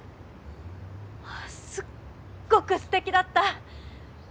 すっごくすてきだった。